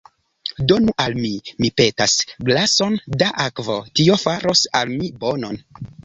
Donu al mi, mi petas, glason da akvo; tio faros al mi bonon.